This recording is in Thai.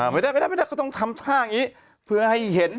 ไม่ได้ไม่ได้ก็ต้องทำท่าอย่างนี้เพื่อให้เห็น